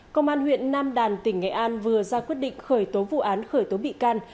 công an huyện nam đàn tỉnh nghệ an vừa ra quyết định khởi tố vụ án khởi tố bị can